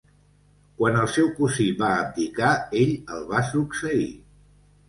Quan el seu cosí va abdicar, ell el va succeir.